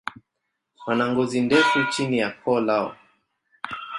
Wana ngozi ndefu chini ya koo lao.